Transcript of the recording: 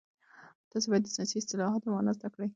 تاسي باید د ساینسي اصطلاحاتو مانا زده کړئ.